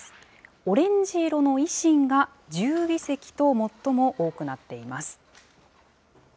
オレンジ色の維新が１０議席と、最も多くなっています。